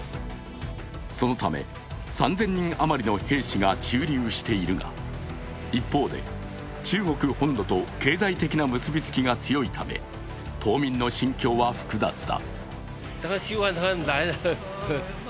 そのため、３０００人余りの兵士が駐留しているが一方で、中国本土と経済的な結びつきが強いため島民の心境は複雑だ。